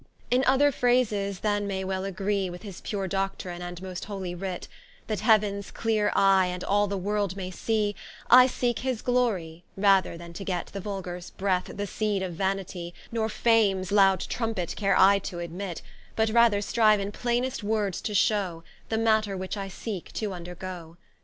In other Phrases than may well agree With his pure Doctrine, and most holy Writ, That Heavens cleare eye, and all the World may see, I seeke his Glory, rather than to get The Vulgars breath, the seed of Vanitie, Nor Fames lowd Trumpet care I to admit; But rather strive in plainest Words to showe, The Matter which I seeke to vndergoe.